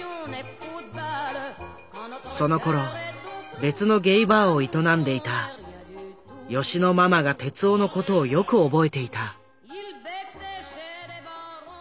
そのころ別のゲイバーを営んでいた吉野ママが徹男の事をよく覚えていた。